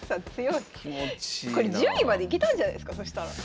これ１０位までいけたんじゃないすかそしたら。